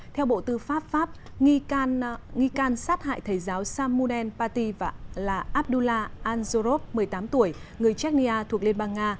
theo bộ tư pháp pháp nghi can sát hại thầy giáo samuel paty là abdullah anzorov một mươi tám tuổi người chechnya thuộc liên bang nga